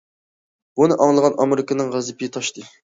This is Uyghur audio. بۇنى ئاڭلىغان ئامېرىكىنىڭ غەزىپى تاشتى.